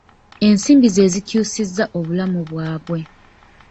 Ensimbi ze zikyusizza obulamu bwabwe.